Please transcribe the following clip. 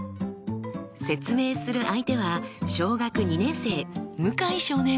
説明する相手は小学２年生向井少年。